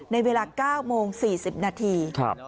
ในเวลา๙โมง๔๐นาที